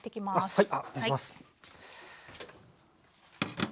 はい。